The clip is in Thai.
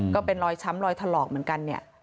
ก็เป็นรอยช้ำรอยถลอกเหมือนกันเนี่ย